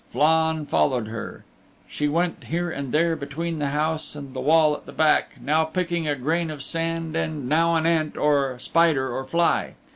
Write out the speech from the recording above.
Flann followed her. She went here and there between the house and the wall at the back, now picking a grain of sand and now an ant or spider or fly.